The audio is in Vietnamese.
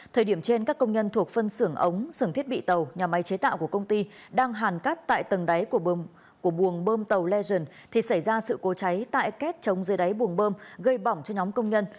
thời điểm trên các công nhân thuộc phân xưởng ống xưởng thiết bị tàu nhà máy chế tạo của công ty đang hàn cắt tại tầng đáy của buồng bơm tàu legend thì xảy ra sự cố cháy tại kết trống dưới đáy buồng bơm gây bỏng cho nhóm công nhân